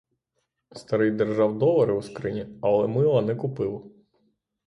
Старий держав долари у скрині, але мила не купив.